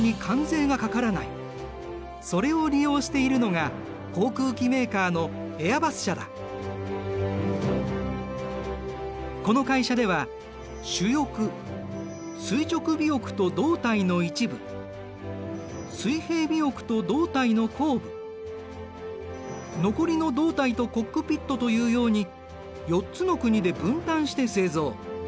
それを利用しているのが航空機メーカーのこの会社では主翼垂直尾翼と胴体の一部水平尾翼と胴体の後部残りの胴体とコックピットというように４つの国で分担して製造。